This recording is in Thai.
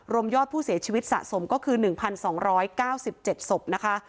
รวมยอดผู้เสียชีวิตสะสมก็คือ๑๒๙๗ศพนะคะ